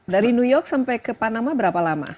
dari new york sampai ke panama berapa lama